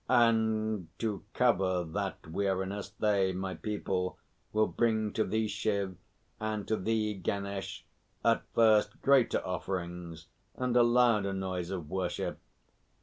"And to cover that weariness they, my people, will bring to thee, Shiv, and to thee, Ganesh, at first greater offerings and a louder noise of worship.